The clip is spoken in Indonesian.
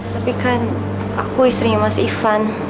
tapi kan aku istrinya mas ivan